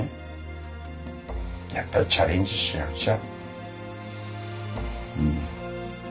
やっぱりチャレンジしなくちゃ。